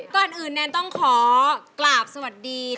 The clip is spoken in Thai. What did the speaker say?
ก่อนอื่นแนนต้องขอกราบสวัสดี